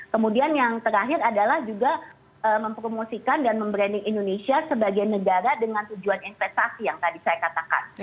kemudian yang terakhir adalah juga mempromosikan dan membranding indonesia sebagai negara dengan tujuan investasi yang tadi saya katakan